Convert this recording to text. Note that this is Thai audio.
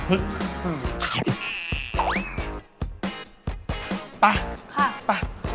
ไป